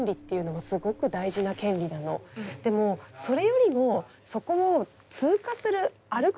でもそれよりもそこを通過する歩く